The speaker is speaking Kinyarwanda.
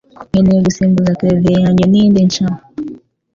Nkeneye gusimbuza clavier yanjye nindi nshya